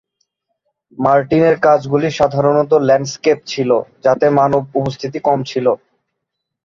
মার্টিনের কাজগুলি সাধারণত ল্যান্ডস্কেপ ছিল যাতে মানব উপস্থিতি কম ছিল।